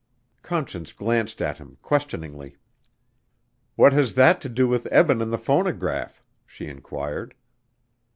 Conscience glanced at him questioningly. "What has that to do with Eben and the phonograph?" she inquired.